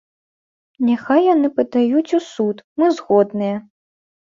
Няхай яны падаюць у суд, мы згодныя.